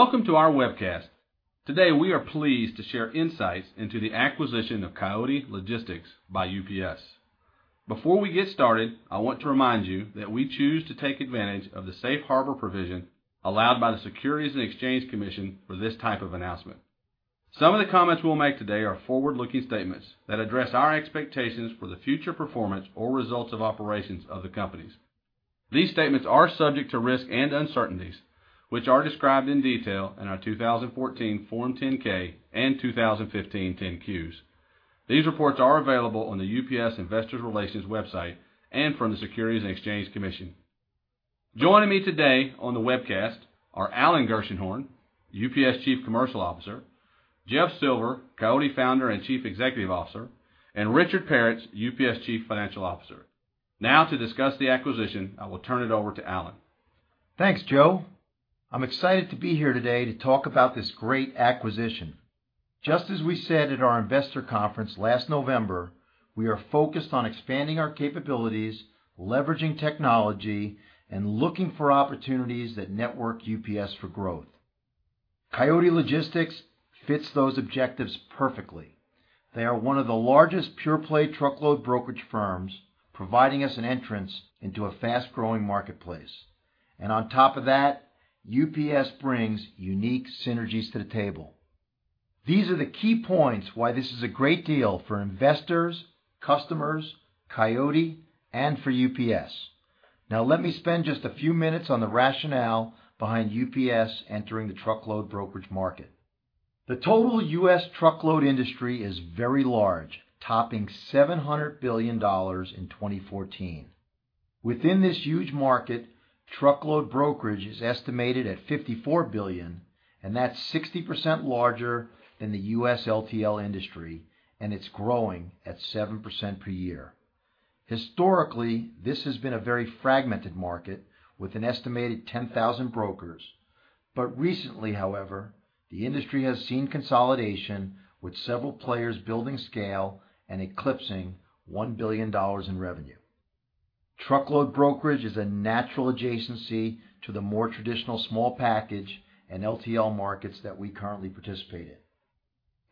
Welcome to our webcast. Today, we are pleased to share insights into the acquisition of Coyote Logistics by UPS. Before we get started, I want to remind you that we choose to take advantage of the safe harbor provision allowed by the Securities and Exchange Commission for this type of announcement. Some of the comments we'll make today are forward-looking statements that address our expectations for the future performance or results of operations of the companies. These statements are subject to risks and uncertainties, which are described in detail in our 2014 Form 10-K and 2015 10-Qs. These reports are available on the UPS Investor Relations website and from the Securities and Exchange Commission. Joining me today on the webcast are Alan Gershenhorn, UPS Chief Commercial Officer, Jeff Silver, Coyote Founder and Chief Executive Officer, and Richard Peretz, UPS Chief Financial Officer. To discuss the acquisition, I will turn it over to Alan. Thanks, Joe. I'm excited to be here today to talk about this great acquisition. Just as we said at our investor conference last November, we are focused on expanding our capabilities, leveraging technology, and looking for opportunities that network UPS for growth. Coyote Logistics fits those objectives perfectly. They are one of the largest pure-play truckload brokerage firms, providing us an entrance into a fast-growing marketplace. On top of that, UPS brings unique synergies to the table. These are the key points why this is a great deal for investors, customers, Coyote, and for UPS. Let me spend just a few minutes on the rationale behind UPS entering the truckload brokerage market. The total U.S. truckload industry is very large, topping $700 billion in 2014. Within this huge market, truckload brokerage is estimated at $54 billion, that's 60% larger than the U.S. LTL industry, and it's growing at 7% per year. Historically, this has been a very fragmented market with an estimated 10,000 brokers. Recently, however, the industry has seen consolidation, with several players building scale and eclipsing $1 billion in revenue. Truckload brokerage is a natural adjacency to the more traditional small package and LTL markets that we currently participate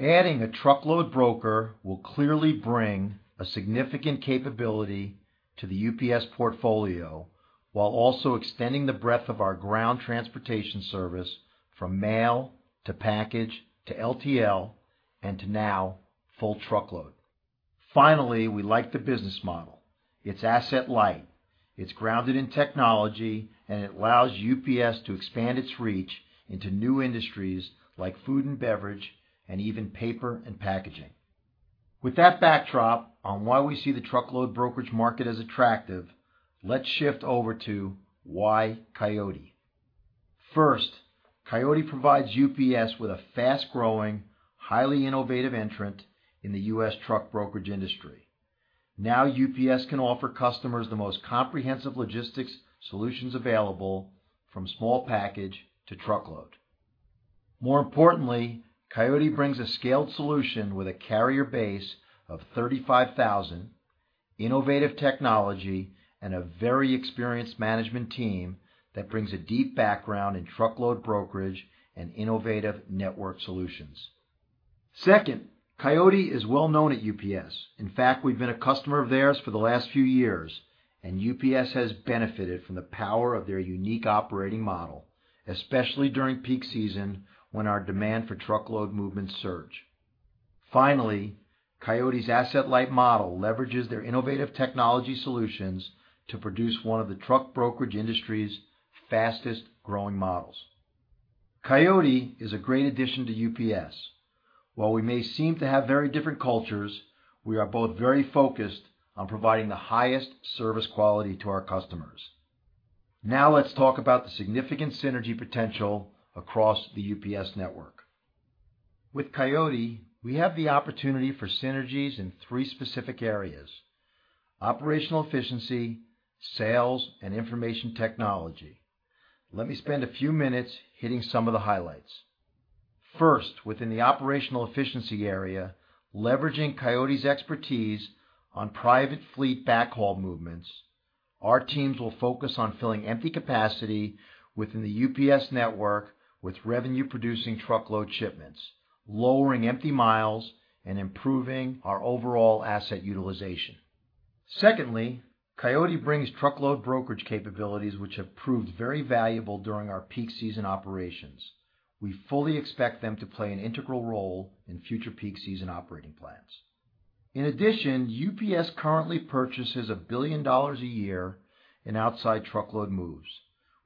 in. Adding a truckload broker will clearly bring a significant capability to the UPS portfolio while also extending the breadth of our ground transportation service from mail to package to LTL and to now full truckload. Finally, we like the business model. It's asset light, it's grounded in technology, and it allows UPS to expand its reach into new industries like food and beverage and even paper and packaging. With that backdrop on why we see the truckload brokerage market as attractive, let's shift over to why Coyote. First, Coyote provides UPS with a fast-growing, highly innovative entrant in the U.S. truck brokerage industry. Now UPS can offer customers the most comprehensive logistics solutions available from small package to truckload. More importantly, Coyote brings a scaled solution with a carrier base of 35,000, innovative technology, and a very experienced management team that brings a deep background in truckload brokerage and innovative network solutions. Second, Coyote is well-known at UPS. In fact, we've been a customer of theirs for the last few years, and UPS has benefited from the power of their unique operating model, especially during peak season when our demand for truckload movements surge. Finally, Coyote's asset-light model leverages their innovative technology solutions to produce one of the truck brokerage industry's fastest-growing models. Coyote is a great addition to UPS. While we may seem to have very different cultures, we are both very focused on providing the highest service quality to our customers. Now let's talk about the significant synergy potential across the UPS network. With Coyote, we have the opportunity for synergies in three specific areas: operational efficiency, sales, and information technology. Let me spend a few minutes hitting some of the highlights. First, within the operational efficiency area, leveraging Coyote's expertise on private fleet backhaul movements, our teams will focus on filling empty capacity within the UPS network with revenue-producing truckload shipments, lowering empty miles, and improving our overall asset utilization. Secondly, Coyote brings truckload brokerage capabilities, which have proved very valuable during our peak season operations. We fully expect them to play an integral role in future peak season operating plans. In addition, UPS currently purchases $1 billion a year in outside truckload moves.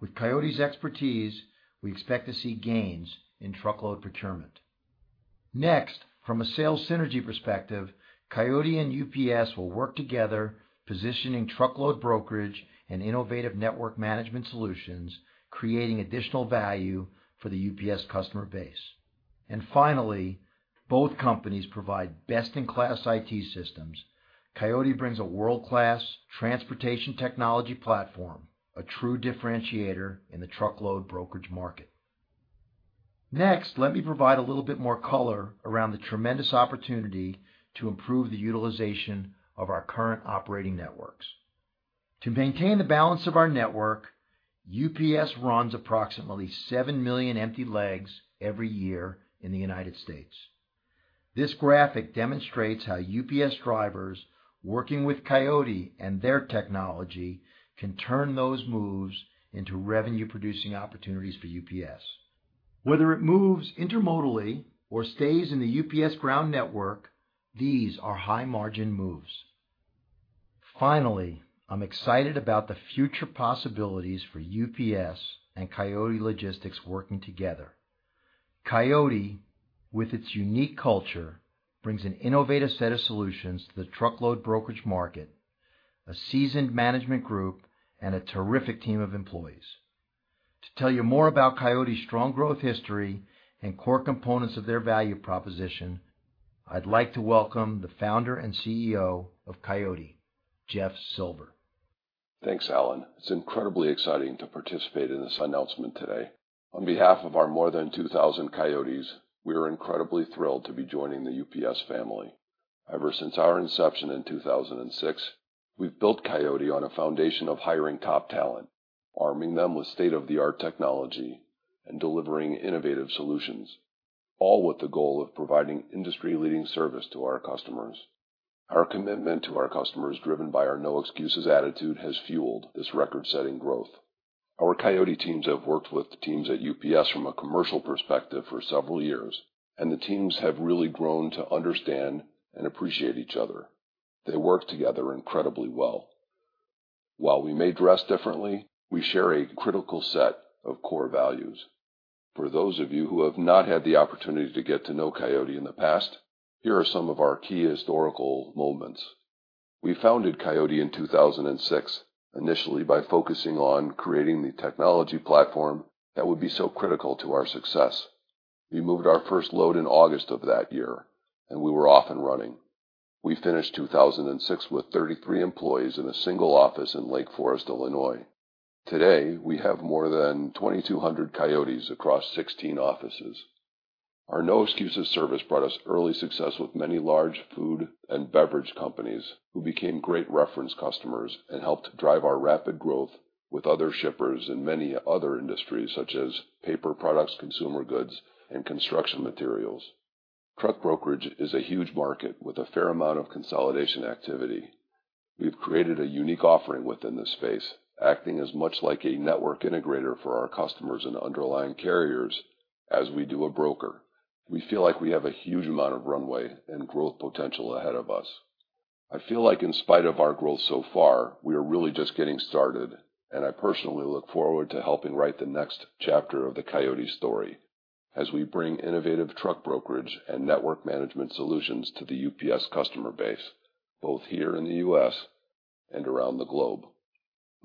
With Coyote's expertise, we expect to see gains in truckload procurement. From a sales synergy perspective, Coyote and UPS will work together positioning truckload brokerage and innovative network management solutions, creating additional value for the UPS customer base. Finally, both companies provide best-in-class IT systems. Coyote brings a world-class transportation technology platform, a true differentiator in the truckload brokerage market. Next, let me provide a little bit more color around the tremendous opportunity to improve the utilization of our current operating networks. To maintain the balance of our network, UPS runs approximately 7 million empty legs every year in the United States. This graphic demonstrates how UPS drivers, working with Coyote and their technology, can turn those moves into revenue-producing opportunities for UPS. Whether it moves intermodally or stays in the UPS ground network, these are high-margin moves. Finally, I'm excited about the future possibilities for UPS and Coyote Logistics working together. Coyote, with its unique culture, brings an innovative set of solutions to the truckload brokerage market, a seasoned management group, and a terrific team of employees. To tell you more about Coyote's strong growth history and core components of their value proposition, I'd like to welcome the founder and CEO of Coyote, Jeff Silver. Thanks, Alan. It's incredibly exciting to participate in this announcement today. On behalf of our more than 2,000 Coyotes, we are incredibly thrilled to be joining the UPS family. Ever since our inception in 2006, we've built Coyote on a foundation of hiring top talent, arming them with state-of-the-art technology, and delivering innovative solutions, all with the goal of providing industry-leading service to our customers. Our commitment to our customers, driven by our no-excuses attitude, has fueled this record-setting growth. Our Coyote teams have worked with the teams at UPS from a commercial perspective for several years, and the teams have really grown to understand and appreciate each other. They work together incredibly well. While we may dress differently, we share a critical set of core values. For those of you who have not had the opportunity to get to know Coyote in the past, here are some of our key historical moments. We founded Coyote in 2006, initially by focusing on creating the technology platform that would be so critical to our success. We moved our first load in August of that year, and we were off and running. We finished 2006 with 33 employees in a single office in Lake Forest, Illinois. Today, we have more than 2,200 Coyotes across 16 offices. Our no-excuses service brought us early success with many large food and beverage companies who became great reference customers and helped drive our rapid growth with other shippers in many other industries, such as paper products, consumer goods, and construction materials. Truck brokerage is a huge market with a fair amount of consolidation activity. We've created a unique offering within this space, acting as much like a network integrator for our customers and underlying carriers as we do a broker. We feel like we have a huge amount of runway and growth potential ahead of us. I feel like in spite of our growth so far, we are really just getting started, and I personally look forward to helping write the next chapter of the Coyote story as we bring innovative truck brokerage and network management solutions to the UPS customer base, both here in the U.S. and around the globe.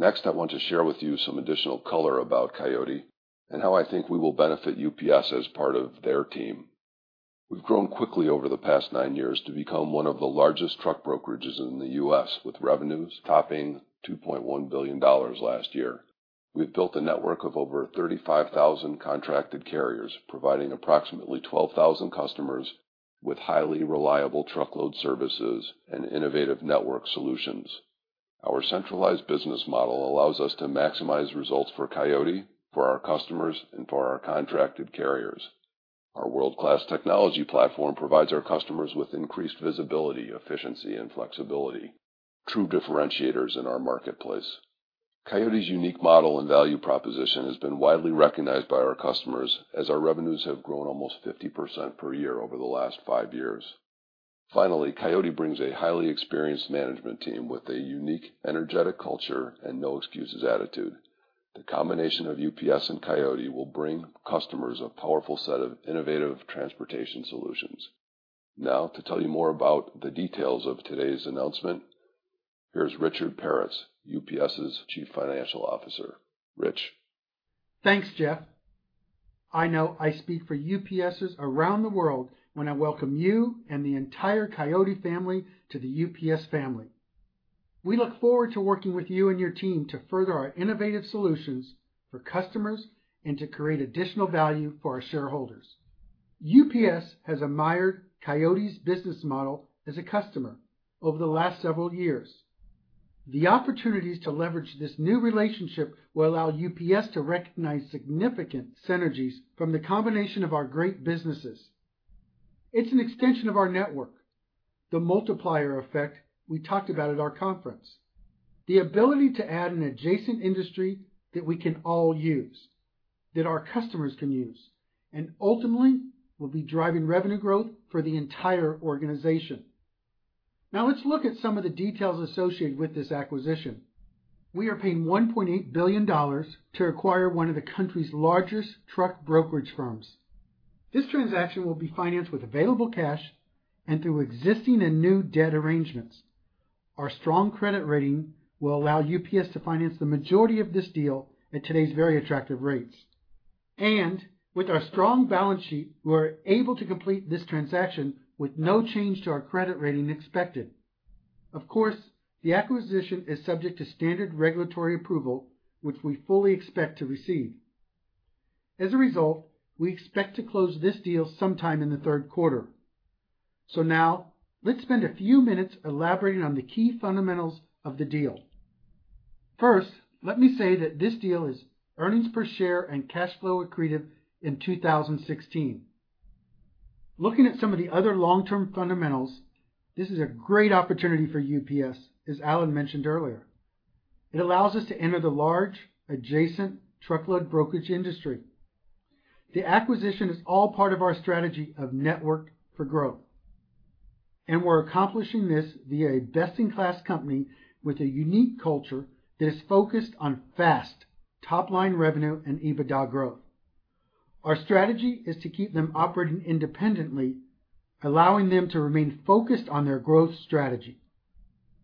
I want to share with you some additional color about Coyote and how I think we will benefit UPS as part of their team. We've grown quickly over the past nine years to become one of the largest truck brokerages in the U.S., with revenues topping $2.1 billion last year. We've built a network of over 35,000 contracted carriers, providing approximately 12,000 customers with highly reliable truckload services and innovative network solutions. Our centralized business model allows us to maximize results for Coyote, for our customers, and for our contracted carriers. Our world-class technology platform provides our customers with increased visibility, efficiency, and flexibility, true differentiators in our marketplace. Coyote's unique model and value proposition has been widely recognized by our customers as our revenues have grown almost 50% per year over the last five years. Finally, Coyote brings a highly experienced management team with a unique energetic culture and no-excuses attitude. The combination of UPS and Coyote will bring customers a powerful set of innovative transportation solutions. To tell you more about the details of today's announcement, here's Richard Peretz, UPS's Chief Financial Officer. Rich. Thanks, Jeff. I know I speak for UPSers around the world when I welcome you and the entire Coyote family to the UPS family. We look forward to working with you and your team to further our innovative solutions for customers and to create additional value for our shareholders. UPS has admired Coyote's business model as a customer over the last several years. The opportunities to leverage this new relationship will allow UPS to recognize significant synergies from the combination of our great businesses. It's an extension of our network, the multiplier effect we talked about at our conference, the ability to add an adjacent industry that we can all use, that our customers can use, and ultimately, will be driving revenue growth for the entire organization. Let's look at some of the details associated with this acquisition. We are paying $1.8 billion to acquire one of the country's largest truck brokerage firms. This transaction will be financed with available cash and through existing and new debt arrangements. Our strong credit rating will allow UPS to finance the majority of this deal at today's very attractive rates. With our strong balance sheet, we are able to complete this transaction with no change to our credit rating expected. Of course, the acquisition is subject to standard regulatory approval, which we fully expect to receive. As a result, we expect to close this deal sometime in the third quarter. Now let's spend a few minutes elaborating on the key fundamentals of the deal. First, let me say that this deal is earnings per share and cash flow accretive in 2016. Looking at some of the other long-term fundamentals, this is a great opportunity for UPS, as Alan mentioned earlier. It allows us to enter the large adjacent truckload brokerage industry. The acquisition is all part of our strategy of Network for Growth, and we're accomplishing this via best-in-class company with a unique culture that is focused on fast top-line revenue and EBITDA growth. Our strategy is to keep them operating independently, allowing them to remain focused on their growth strategy.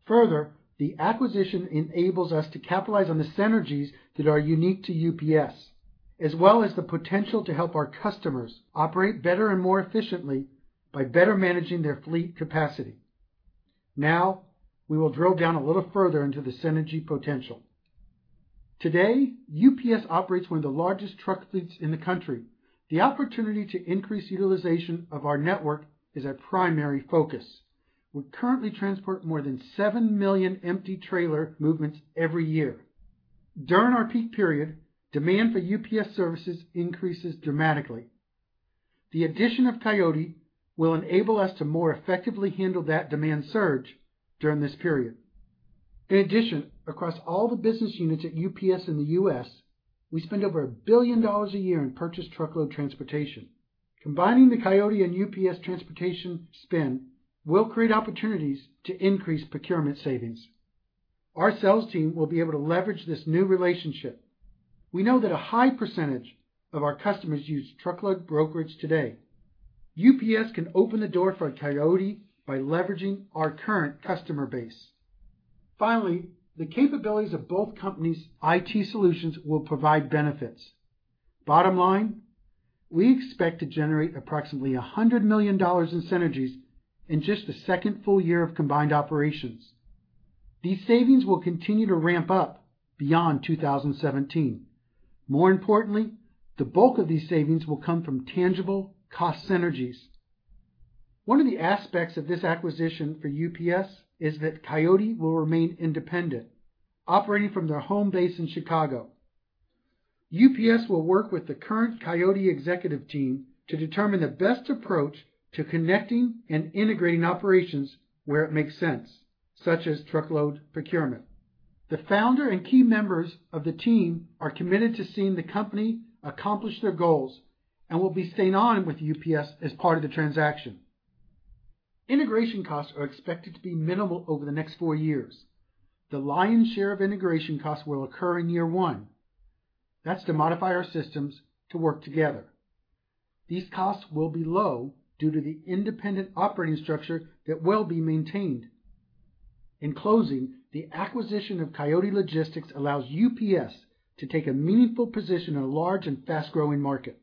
Further, the acquisition enables us to capitalize on the synergies that are unique to UPS, as well as the potential to help our customers operate better and more efficiently by better managing their fleet capacity. We will drill down a little further into the synergy potential. Today, UPS operates one of the largest truck fleets in the country. The opportunity to increase utilization of our network is a primary focus. We currently transport more than 7 million empty trailer movements every year. During our peak period, demand for UPS services increases dramatically. The addition of Coyote will enable us to more effectively handle that demand surge during this period. In addition, across all the business units at UPS in the U.S., we spend over $1 billion a year in purchased truckload transportation. Combining the Coyote and UPS transportation spend will create opportunities to increase procurement savings. Our sales team will be able to leverage this new relationship. We know that a high percentage of our customers use truckload brokerage today. UPS can open the door for Coyote by leveraging our current customer base. Finally, the capabilities of both companies' IT solutions will provide benefits. Bottom line, we expect to generate approximately $100 million in synergies in just the second full year of combined operations. These savings will continue to ramp up beyond 2017. More importantly, the bulk of these savings will come from tangible cost synergies. One of the aspects of this acquisition for UPS is that Coyote will remain independent, operating from their home base in Chicago. UPS will work with the current Coyote executive team to determine the best approach to connecting and integrating operations where it makes sense, such as truckload procurement. The founder and key members of the team are committed to seeing the company accomplish their goals and will be staying on with UPS as part of the transaction. Integration costs are expected to be minimal over the next four years. The lion's share of integration costs will occur in year one. That's to modify our systems to work together. These costs will be low due to the independent operating structure that will be maintained. In closing, the acquisition of Coyote Logistics allows UPS to take a meaningful position in a large and fast-growing market.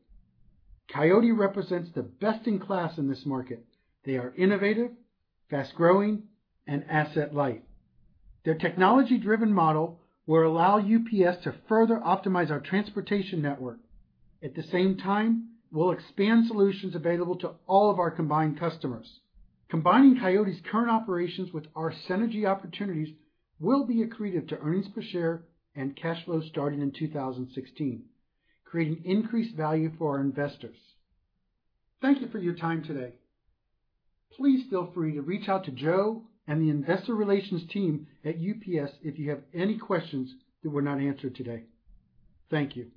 Coyote represents the best in class in this market. They are innovative, fast-growing, and asset light. Their technology-driven model will allow UPS to further optimize our transportation network. At the same time, we'll expand solutions available to all of our combined customers. Combining Coyote's current operations with our synergy opportunities will be accretive to earnings per share and cash flow starting in 2016, creating increased value for our investors. Thank you for your time today. Please feel free to reach out to Joe and the investor relations team at UPS if you have any questions that were not answered today. Thank you.